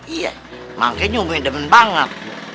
iya makanya umi demen banget